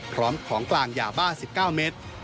พร้อมของกลางยาบ้า๑๙เมตร